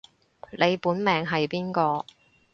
你本命係邊個